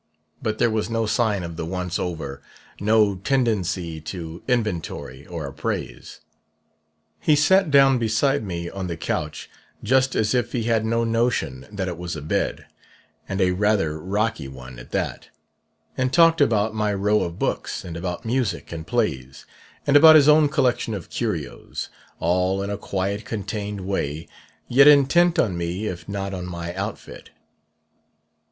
But there was no sign of the once over no tendency to inventory or appraise. He sat down beside me on the couch just as if he had no notion that it was a bed (and a rather rocky one, at that), and talked about my row of books, and about music and plays, and about his own collection of curios all in a quiet, contained way, yet intent on me if not on my outfit.